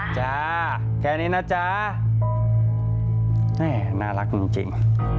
จ๊ะแค่นี้นะจ๊ะน่ารักจริง